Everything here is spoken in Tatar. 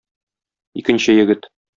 Икенче егет.